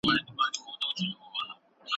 ټولنیز فکر به بدل شي.